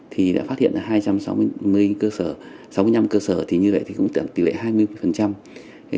thì đã phát hiện là hai trăm sáu mươi cơ sở sáu mươi năm cơ sở thì như vậy thì cũng tưởng tỷ lệ hai mươi